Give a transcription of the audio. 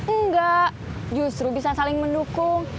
enggak justru bisa saling mendukung